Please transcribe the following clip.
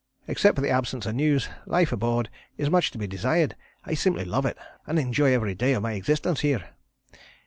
Except for the absence of news, life aboard is much to be desired. I simply love it, and enjoy every day of my existence here.